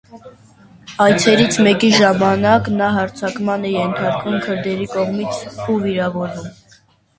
Այցերից մեկի ժամանակ նա հարձակման է ենթարկվում քրդերի կողմից ու վիրավորվում։